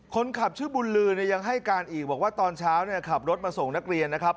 คนขับชื่อบุญลือเนี่ยยังให้การอีกบอกว่าตอนเช้าเนี่ยขับรถมาส่งนักเรียนนะครับ